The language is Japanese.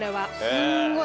すんごい。